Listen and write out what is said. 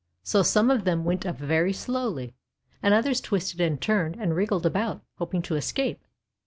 So some of them went up very slowly, and others twisted and turned and wriggled about, hoping to escape.